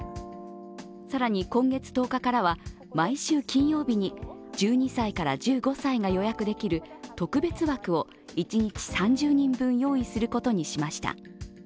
更に今月１０日からは毎週金曜日に１２歳から１５歳が予約できる特別枠を一日３０人分用意することにしました。